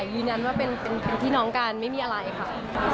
ยืนยันว่าเป็นพี่น้องกันไม่มีอะไรค่ะ